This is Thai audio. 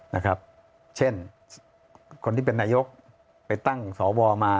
นะครับเช่นคนที่เป็นนายกไปตั้งสวมา